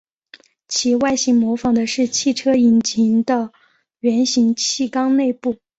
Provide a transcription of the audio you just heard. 其外形模仿的是汽车引擎的圆形汽缸内部。